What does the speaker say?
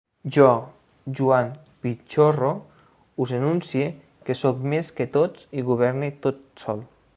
Jo, Joan Pixorro, us anuncie que soc més que tots i governe tot sol.